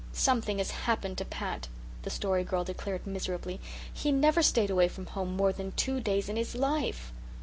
"Something has happened to Pat," the Story Girl declared miserably. "He never stayed away from home more than two days in his life."